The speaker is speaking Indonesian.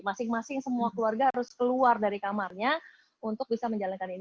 masing masing semua keluarga harus keluar dari kamarnya untuk bisa menjalankan ini